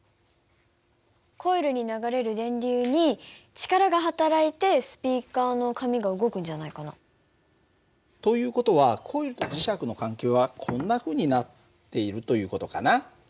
コイルに流れる電流に力が働いてスピーカーの紙が動くんじゃないかな？という事はコイルと磁石の関係はこんなふうになっているという事かな。